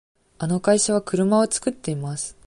あの会社は車を作っています。